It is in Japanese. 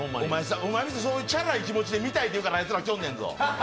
おまえがチャラい気持ちで見たいって言うからあいつら来よんねんぞ。